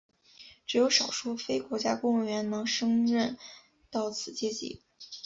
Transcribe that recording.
只有少数非国家公务员能升任到此阶级。